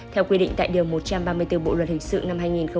theo quy định tại điều một trăm ba mươi bốn bộ luật hình sự